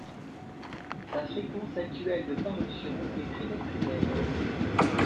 Sa fréquence actuelle de parution est trimestrielle.